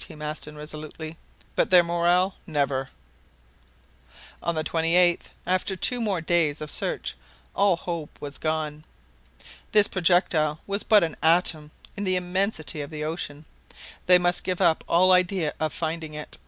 T. Maston resolutely, "but their morale never!" On the 28th, after two more days of search, all hope was gone. This projectile was but an atom in the immensity of the ocean. They must give up all idea of finding it.